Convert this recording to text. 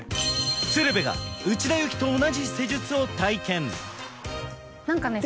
鶴瓶が内田有紀と同じ施術を体験何かね